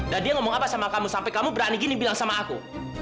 dan dia ngomong apa sama kamu sampai kamu berani gini bilang sama aku